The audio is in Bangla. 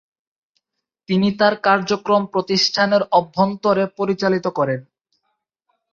তিনি তার কার্যক্রম প্রতিষ্ঠানের অভ্যন্তরে পরিচালিত করেন।